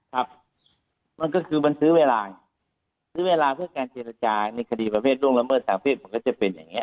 ครับมันก็คือมันซื้อเวลาซื้อเวลาเพื่อการเจรจาในคดีประเภทร่วงละเมิดทางเพศมันก็จะเป็นอย่างเงี